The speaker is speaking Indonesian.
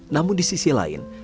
namun di sisi lain